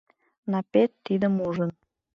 Наппет тидым ужын.